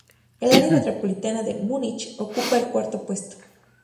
El área metropolitana de Múnich ocupa el cuarto puesto.